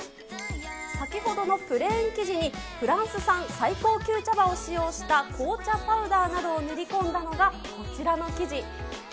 先ほどのプレーン生地にフランス産最高級茶葉を使用した紅茶パウダーなどを練り込んだのがこちらの生地。